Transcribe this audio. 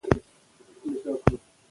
د درملنې لپاره څو لارې شتون لري.